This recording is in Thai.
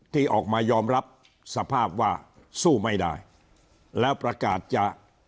ที่ออกมายอมรับสภาพว่าสู้ไม่ได้แล้วประกาศจะ